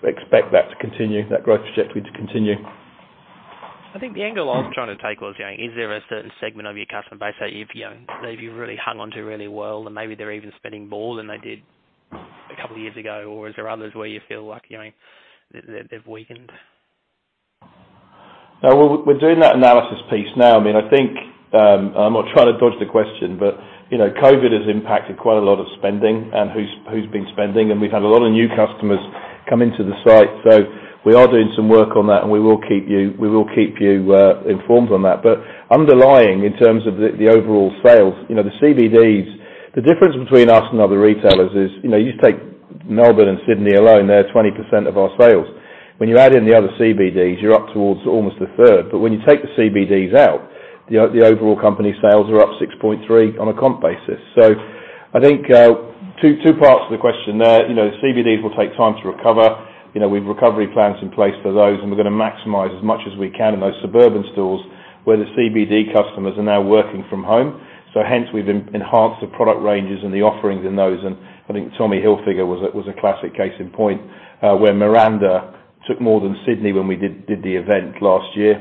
expect that to continue, that growth trajectory to continue. I think the angle I was trying to take was, is there a certain segment of your customer base that you've really hung on to really well, and maybe they're even spending more than they did a couple of years ago? Is there others where you feel like they've weakened? No, we're doing that analysis piece now. I mean, I think I'm not trying to dodge the question, but COVID has impacted quite a lot of spending and who's been spending, and we've had a lot of new customers come into the site. We are doing some work on that, and we will keep you informed on that. Underlying, in terms of the overall sales, the CBDs, the difference between us and other retailers is, you take Melbourne and Sydney alone, they're 20% of our sales. When you add in the other CBDs, you're up towards almost a third. When you take the CBDs out, the overall company sales are up 6.3 on a comp basis. I think two parts to the question there. The CBDs will take time to recover. We've recovery plans in place for those, and we're going to maximize as much as we can in those suburban stores where the CBD customers are now working from home. Hence we've enhanced the product ranges and the offerings in those. I think Tommy Hilfiger was a classic case in point, where Miranda took more than Sydney when we did the event last year.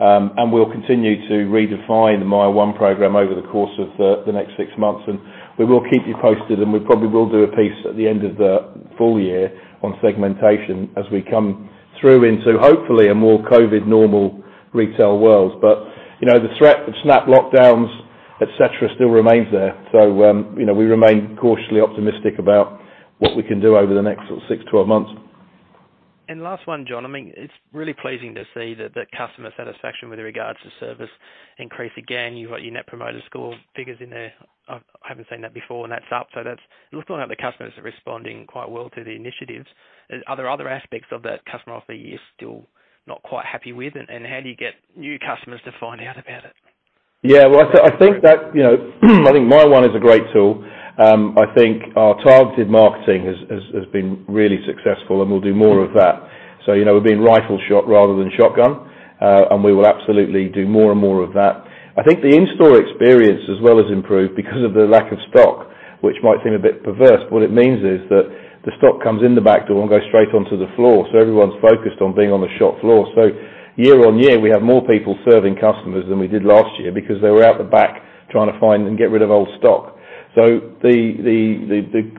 We'll continue to redefine the MYER one program over the course of the next six months, and we will keep you posted, and we probably will do a piece at the end of the full year on segmentation as we come through into hopefully a more COVID normal retail world. The threat of snap lockdowns, et cetera, still remains there. We remain cautiously optimistic about what we can do over the next 6-12 months. Last one, John. It's really pleasing to see that the customer satisfaction with regards to service increase again. You've got your Net Promoter Score figures in there. I haven't seen that before, and that's up. It looks like the customers are responding quite well to the initiatives. Are there other aspects of the customer offer you're still not quite happy with? How do you get new customers to find out about it? Yeah. I think MYER one is a great tool. I think our targeted marketing has been really successful, and we'll do more of that. We're being rifle shot rather than shotgun. We will absolutely do more and more of that. I think the in-store experience as well has improved because of the lack of stock, which might seem a bit perverse. What it means is that the stock comes in the back door and goes straight onto the floor. Everyone's focused on being on the shop floor. Year-on-year, we have more people serving customers than we did last year because they were out the back trying to find and get rid of old stock. The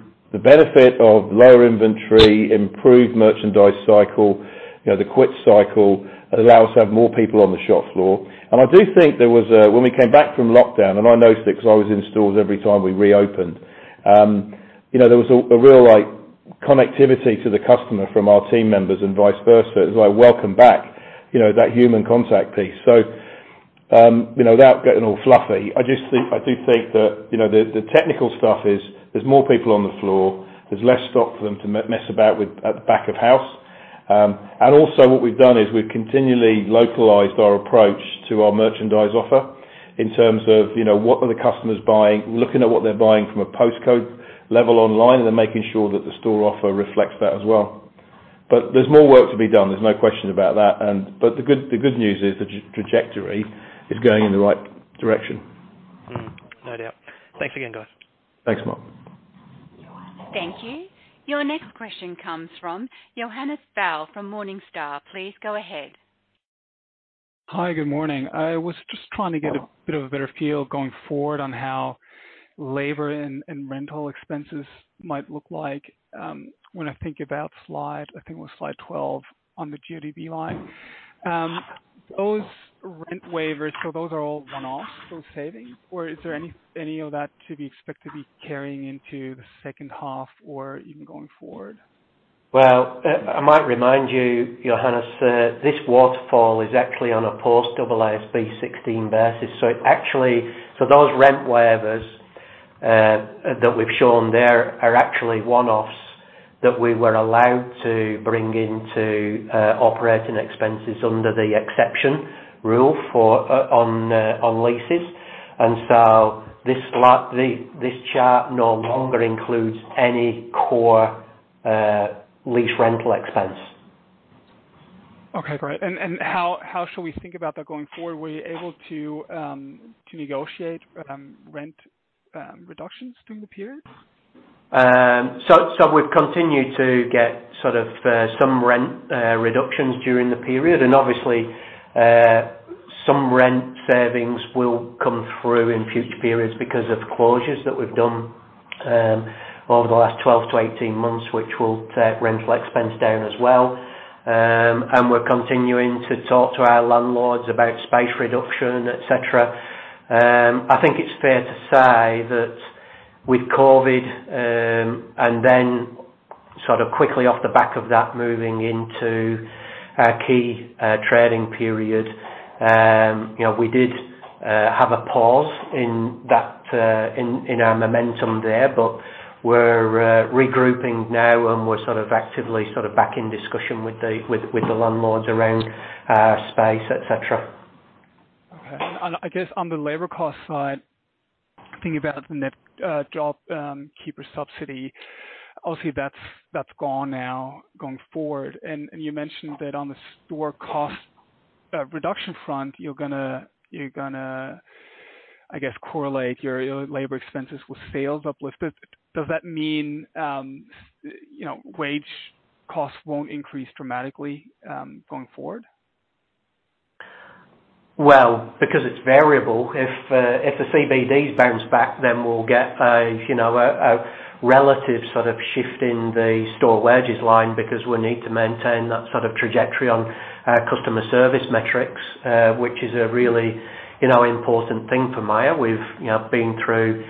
benefit of lower inventory, improved merchandise cycle, the quick cycle allow us to have more people on the shop floor. I do think there was When we came back from lockdown, and I noticed it because I was in stores every time we reopened. There was a real connectivity to the customer from our team members and vice versa. It was like, welcome back, that human contact piece. Without getting all fluffy, I do think that the technical stuff is there's more people on the floor, there's less stock for them to mess about with at the back of house. Also what we've done is we've continually localized our approach to our merchandise offer in terms of what are the customers buying, looking at what they're buying from a postcode level online, and then making sure that the store offer reflects that as well. There's more work to be done, there's no question about that. The good news is the trajectory is going in the right direction. No doubt. Thanks again, guys. Thanks, Mark. Thank you. Your next question comes from Johannes Faul from Morningstar. Please go ahead. Hi. Good morning. I was just trying to get a bit of a better feel going forward on how labor and rental expenses might look like when I think about slide, I think it was slide 12 on the CODB line. Those rent waivers, those are all one-offs, those savings? Is there any of that to be expected to be carrying into the second half or even going forward? Well, I might remind you, Johannes, this waterfall is actually on a post AASB 16 basis. Those rent waivers that we've shown there are actually one-offs that we were allowed to bring into operating expenses under the exception rule on leases. This chart no longer includes any core lease rental expense. Okay, great. How should we think about that going forward? Were you able to negotiate rent reductions during the period? We've continued to get some rent reductions during the period, and obviously, some rent savings will come through in future periods because of closures that we've done over the last 12-18 months, which will take rental expense down as well. We're continuing to talk to our landlords about space reduction, et cetera. I think it's fair to say that with COVID, and then sort of quickly off the back of that, moving into our key trading period, we did have a pause in our momentum there, but we're regrouping now and we're sort of actively back in discussion with the landlords around space, et cetera. Okay. I guess on the labor cost side, thinking about the net JobKeeper subsidy, obviously that's gone now going forward. You mentioned that on the store cost reduction front, you're going to, I guess, correlate your labor expenses with sales uplifted. Does that mean wage costs won't increase dramatically going forward? Because it's variable, if the CBDs bounce back, then we'll get a relative shift in the store wages line because we need to maintain that trajectory on our customer service metrics, which is a really important thing for MYER. We've been through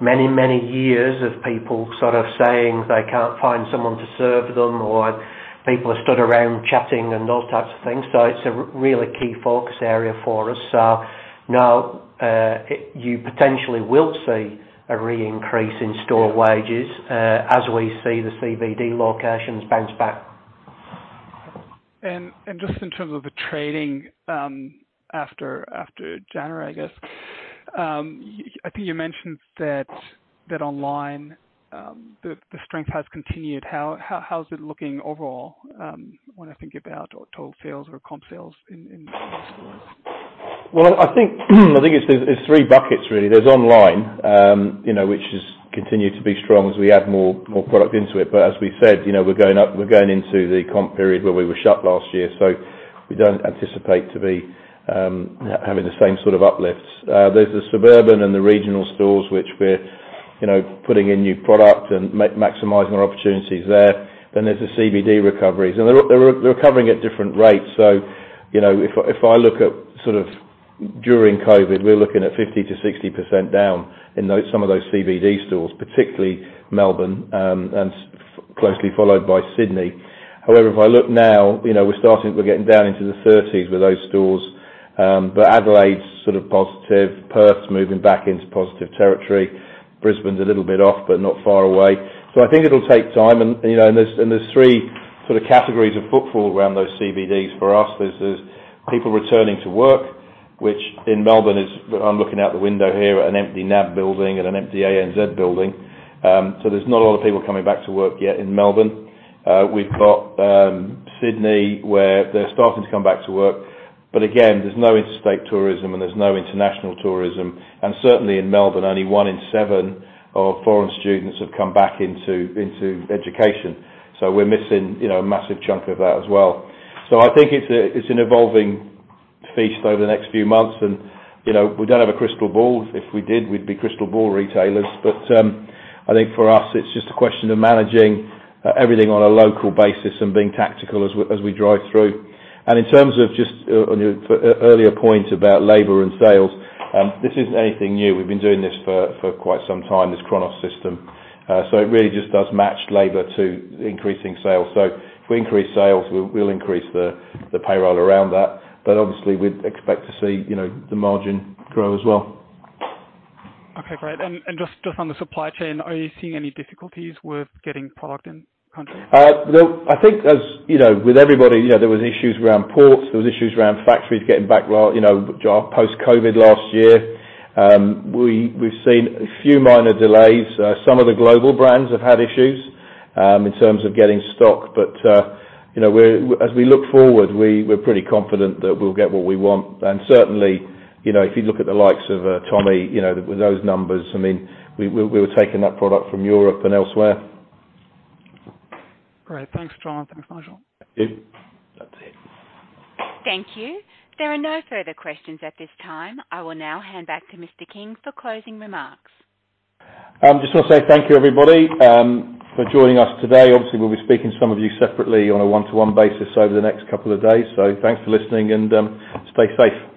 many, many years of people saying they can't find someone to serve them or people are stood around chatting and those types of things. It's a really key focus area for us. Now, you potentially will see a re-increase in store wages as we see the CBD locations bounce back. Just in terms of the trading after January, I think you mentioned that online, the strength has continued. How is it looking overall when I think about total sales or comp sales in stores? I think it's three buckets really. There's online which has continued to be strong as we add more product into it. As we said, we're going into the comp period where we were shut last year, so we don't anticipate to be having the same sort of uplifts. There's the suburban and the regional stores, which we're putting in new product and maximizing our opportunities there. There's the CBD recoveries, and they're recovering at different rates. If I look at during COVID, we're looking at 50%-60% down in some of those CBD stores, particularly Melbourne, and closely followed by Sydney. If I look now, we're getting down into the 30%s with those stores. Adelaide's sort of positive. Perth's moving back into positive territory. Brisbane's a little bit off, but not far away. I think it'll take time, and there's three sort of categories of footfall around those CBDs for us. There's people returning to work, which in Melbourne is, I'm looking out the window here at an empty NAB building and an empty ANZ building. There's not a lot of people coming back to work yet in Melbourne. We've got Sydney, where they're starting to come back to work, but again, there's no interstate tourism and there's no international tourism, and certainly in Melbourne, only one in seven of foreign students have come back into education. I think it's an evolving feast over the next few months, and we don't have a crystal ball. If we did, we'd be crystal ball retailers. I think for us, it's just a question of managing everything on a local basis and being tactical as we drive through. In terms of just on your earlier point about labor and sales, this isn't anything new. We've been doing this for quite some time, this Kronos system. It really just does match labor to increasing sales. If we increase sales, we'll increase the payroll around that. Obviously, we'd expect to see the margin grow as well. Okay, great. Just on the supply chain, are you seeing any difficulties with getting product into the country? I think, as with everybody, there was issues around ports, there was issues around factories getting back post-COVID last year. We've seen a few minor delays. Some of the global brands have had issues in terms of getting stock. As we look forward, we're pretty confident that we'll get what we want. Certainly, if you look at the likes of Tommy, with those numbers, we were taking that product from Europe and elsewhere. Great. Thanks, John, thanks, Nigel. Thank you. That's it. Thank you. There are no further questions at this time. I will now hand back to Mr. King for closing remarks. I just want to say thank you, everybody, for joining us today. Obviously, we'll be speaking to some of you separately on a one-to-one basis over the next couple of days. Thanks for listening, and stay safe.